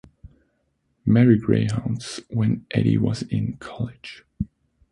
Marie Greyhounds when Eddie was in college.